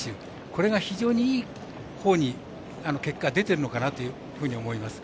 これが非常にいいほうに結果、出ているのかなというふうに思います。